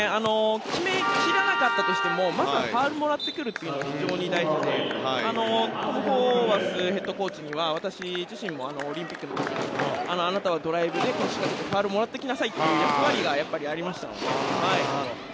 決め切らなかったとしてもファウルをもらってくるというのも大事なのでトム・ホーバスヘッドコーチには私自身もオリンピックの時にあなたはドライブで仕掛けてファウルをもらってきなさいという役割がやっぱりありましたので。